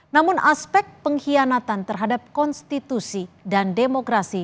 namun aspek pengkhianatan terhadap konstitusi dan demokrasi